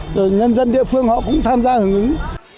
rồi nhân dân địa phương họ cũng tham gia hưởng ứng